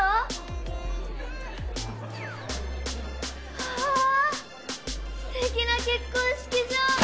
わぁすてきな結婚式場！